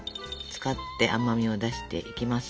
使って甘みを出していきます。